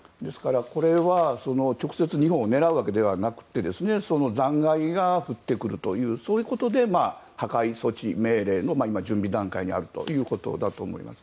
これは直接日本を狙うわけではなくてその残骸が降ってくるというそういうことで破壊措置命令の今準備段階にあるということだと思います。